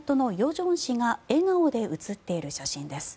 正氏が笑顔で写っている写真です。